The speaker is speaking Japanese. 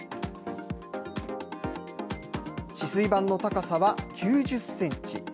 止水板の高さは９０センチ。